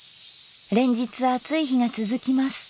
連日暑い日が続きます。